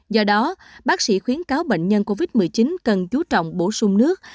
do đó bác sĩ khuyến cáo bệnh nhân covid một mươi chín cần chú trọng bổ sung nước